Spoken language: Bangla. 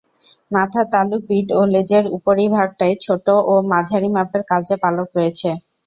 মাথার তালু, পিঠ ও লেজের উপরিভাগটায় ছোট ও মাঝারি মাপের কালচে পালক রয়েছে।